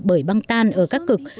bởi băng tan ở các cực